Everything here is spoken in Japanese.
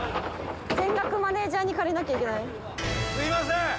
すいません！